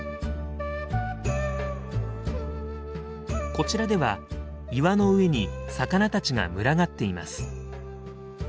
こちらでは岩の上に魚たちが群がっています。